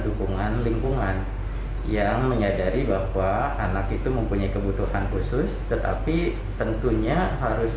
dukungan lingkungan yang menyadari bahwa anak itu mempunyai kebutuhan khusus tetapi tentunya harus